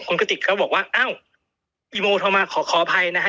คุณกติกก็บอกว่าอ้าวอีโมโทรมาขอขออภัยนะฮะ